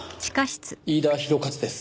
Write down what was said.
飯田宏和です。